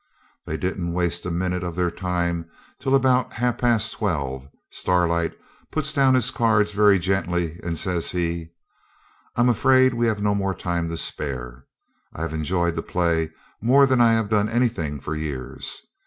They didn't waste a minute of their time, till about half past twelve Starlight puts down his cards very gently, and says he 'I'm afraid we have no more time to spare. I've enjoyed the play more than I have done anything for years.